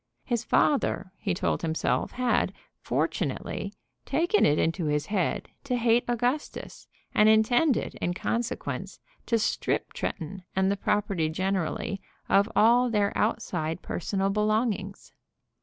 His father, he told himself, had, fortunately, taken it into his head to hate Augustus, and intended, in consequence, to strip Tretton and the property generally of all their outside personal belongings.